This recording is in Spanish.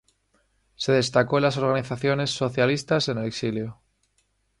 Se destacó en las organizaciones socialistas en el exilio.